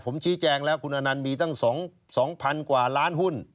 ผมชี้แจงแล้วคุณอนันต์มีตั้ง๒๐๐๐กว่าล้านหุ้น